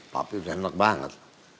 papi udah enak banget